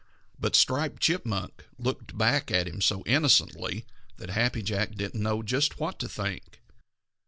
But Striped Chipmunk looked back at him so innocently that Happy Jack didn't know just what to think.